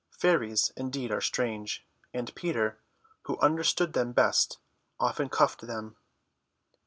Fairies indeed are strange, and Peter, who understood them best, often cuffed them.